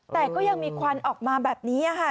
แต่ก็ยังมีควันออกมาแบบนี้ค่ะ